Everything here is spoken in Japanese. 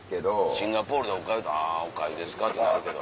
シンガポールでお粥「あぁお粥ですか」ってなるけど。